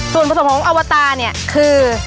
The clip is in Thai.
ส่วนผสมของอวตาเนี่ยคือ